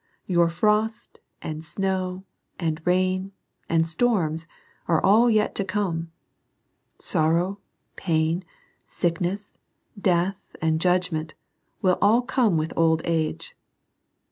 Your frost, and snow, and rain, and storms, are all yet to come. Sorrow, pain, sick ness, death, and judgment, will all come with old age.